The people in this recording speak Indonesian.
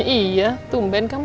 iya tumben kamu